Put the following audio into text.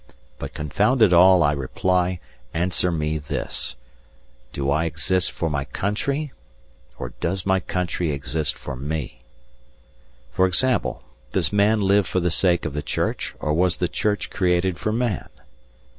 But, confound it all, I reply, answer me this: Do I exist for my country, or does my country exist for me? For example, does man live for the sake of the Church, or was the Church created for man?